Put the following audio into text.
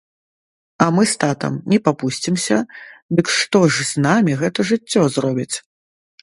А мы з татам не папусцімся, дык што ж з намі гэта жыццё зробіць?